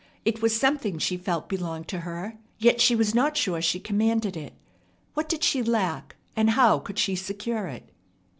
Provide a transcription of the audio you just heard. It was something she felt belonged to her, yet she was not sure she commanded it. What did she lack, and how could she secure it?